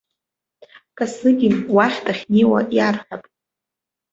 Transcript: Косыгин уа дахьнеиуа иарҳәап.